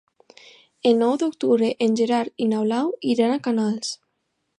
El nou d'octubre en Gerard i na Blau iran a Canals.